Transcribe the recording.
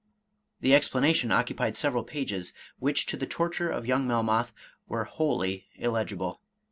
The explanation occupied several pages, which, to the torture of young Melmoth, were wholly illegible.